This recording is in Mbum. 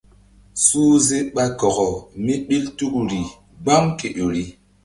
Suhze ɓa kɔkɔ míɓil tuku ri gbam ke ƴori.